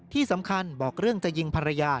ที่สำคัญบอกเรื่องจะยิงภรรยา